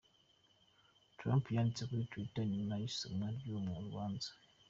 Trump yanditse kuri twitter inyuma y'isomwa ry'urwo rubanza.